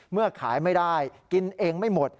เมื่อขายไม่ได้กินเองไม่หมด